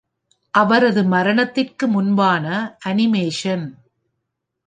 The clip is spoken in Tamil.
அவரது மரணத்திற்கு முன்பான அனிமேஷன்.